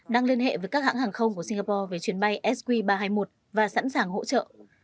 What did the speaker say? đang liên hệ với các hãng hàng không của singapore về chuyến bay sq ba trăm hai mươi một và sẵn sàng hỗ trợ